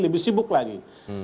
lebih sibuk lagi